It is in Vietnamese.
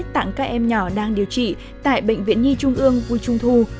tặng các em nhỏ đang điều trị tại bệnh viện nhi trung ương vui trung thu